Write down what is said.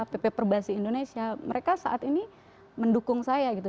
pp perbasi indonesia mereka saat ini mendukung saya gitu